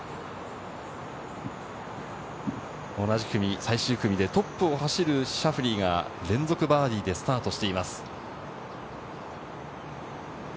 同じ組、最終組でトップを走るシャフリーが連続バーディーでスタートしています。